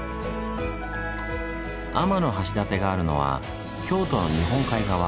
天橋立があるのは京都の日本海側。